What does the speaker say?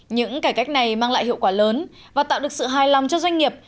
những cải cách này mang lại hiệu quả lớn và tạo được sự hài lòng cho doanh nghiệp